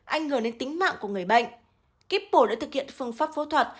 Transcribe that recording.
ảnh hưởng đến tính mạng của người bệnh kíp bổ đã thực hiện phương pháp phẫu thuật